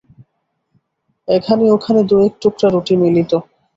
এখানে ওখানে দু-এক টুকরা রুটি মিলিত।